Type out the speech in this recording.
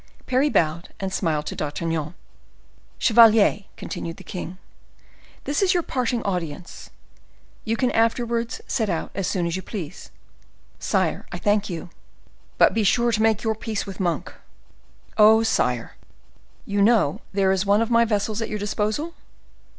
Parry bowed and smiled to D'Artagnan. "Chevalier," continued the king, "this is your parting audience; you can afterwards set out as soon as you please." "Sire, I thank you." "But be sure you make your peace with Monk!" "Oh, sire—" "You know there is one of my vessels at your disposal?"